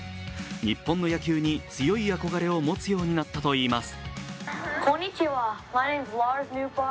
日本の野球に強い憧れを持つようになったといいます。